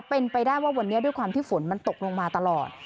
เป็นไปได้ว่าวันนี้ด้วยความที่ฝนมันตกลงมาตลอด